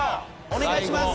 お願いします！